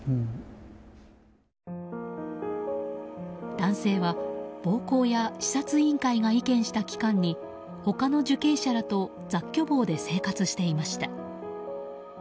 男性は暴行や視察委員会が意見した期間に他の受刑者らと雑居房で生活していました。